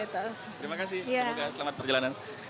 terima kasih semoga selamat perjalanan